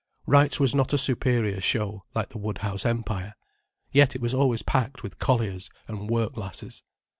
Wright's was not a superior show, like the Woodhouse Empire. Yet it was always packed with colliers and work lasses.